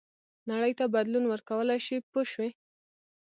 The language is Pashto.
نړۍ ته بدلون ورکولای شي پوه شوې!.